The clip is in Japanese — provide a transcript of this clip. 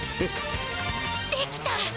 できた！